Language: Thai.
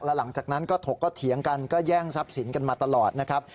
หลังจากนั้นก็ถกก็เถียงกันก็แย่งทรัพย์สินกันมาตลอดนะครับ